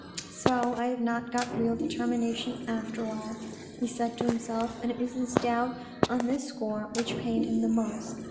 " So I have not got real determination after all," he said to himself, and it was his doubt on this score which pained him the most.